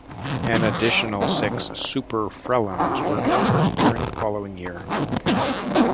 An additional six Super Frelons were ordered during the following year.